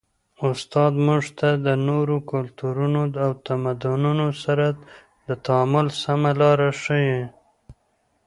استاد موږ ته د نورو کلتورونو او تمدنونو سره د تعامل سمه لاره ښيي.